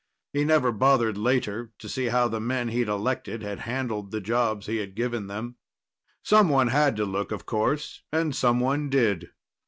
He never bothered later to see how the men he'd elected had handled the jobs he had given them. Someone had to look, of course, and someone did.